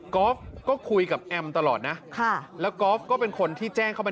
อล์ฟก็คุยกับแอมตลอดนะค่ะแล้วกอล์ฟก็เป็นคนที่แจ้งเข้ามา